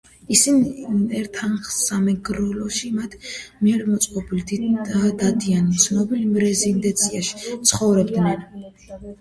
ისინი ერთხანს სამეგრელოში, მათ მიერ მოწყობილ დადიანების ცნობილ რეზიდენციაში ცხოვრობდნენ.